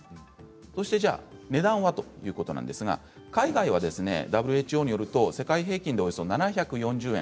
そして値段はということなんですが海外はＷＨＯによると世界平均でおよそ７４０円。